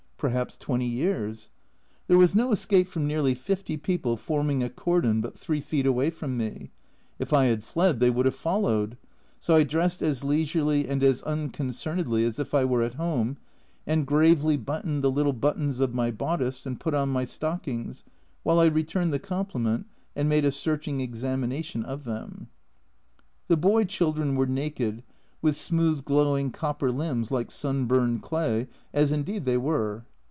"Perhaps twenty years." There was no escape from nearly fifty people forming a cordon but 3 feet away from me ; if I had fled they would have followed ; so I dressed as leisurely and as unconcernedly as if I were at home, and gravely buttoned the little buttons of my bodice and put on my stockings while I returned the compliment and made a searching examination of them. The boy children were naked, with smooth glowing copper limbs like sun burned clay as indeed they were.